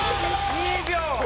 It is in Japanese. ２秒！